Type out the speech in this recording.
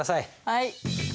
はい。